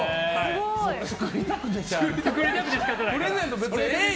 作りたくてしゃあない。